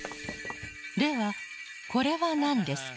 ではこれはなんですか？